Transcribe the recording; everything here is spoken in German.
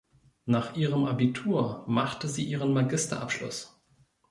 Nach ihrem Abitur machte sie ihren Magisterabschluss.